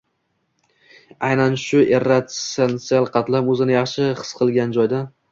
aynan shu «irratsional» qatlam o‘zini yaxshi his qilgan joyda